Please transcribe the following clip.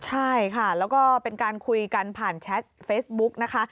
ใช่ค่ะแล้วก็เป็นการคุยกันผ่านแชทเฟซบุ๊กนะคะ